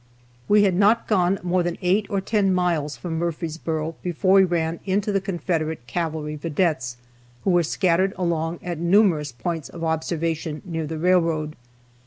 We had not gone more than eight or ten miles from Murfreesboro before we ran into the Confederate cavalry vedettes who were scattered along at numerous points of observation near the railroad.